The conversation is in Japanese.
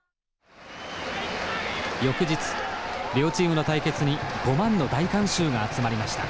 翌日両チームの対決に５万の大観衆が集まりました。